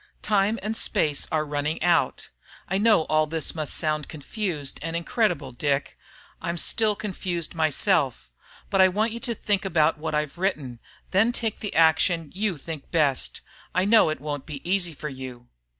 Time and space are running out. I know all this must sound confused and incredible, Dick; I'm still confused myself. But I want you to think about what I've written, then take the action you think best. I know it won't be easy for you.